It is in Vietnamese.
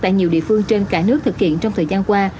tại nhiều địa phương trên cả nước thực hiện trong thời gian qua